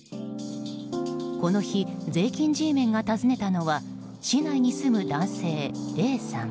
この日、税金Ｇメンが訪ねたのは市内に住む男性Ａさん。